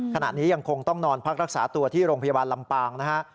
ขณะนี้ยังคงต้องนอนพักรักษาตัวที่โรงพยาบาลลำปางนะฮะ